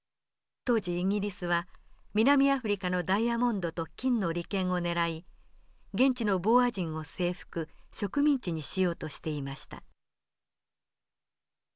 当時イギリスは南アフリカのダイヤモンドと金の利権を狙い現地のボーア人を征服植民地にしようとしていました。